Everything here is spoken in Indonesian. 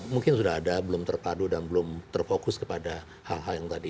mungkin sudah ada belum terpadu dan belum terfokus kepada hal hal yang tadi